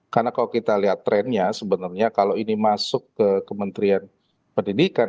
karena kalau kita lihat trennya sebenarnya kalau ini masuk ke kementerian pendidikan